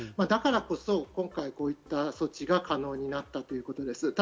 だからこそ今回こういった措置が可能になったということです。